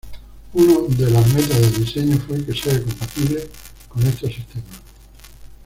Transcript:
Uno de las metas de diseño fue que sea compatible con estos sistemas.